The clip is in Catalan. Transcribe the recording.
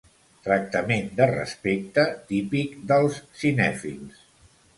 Tractament de respecte típic dels cinèfils.